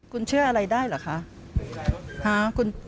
คุณเชื่ออะไรได้เหรอคะ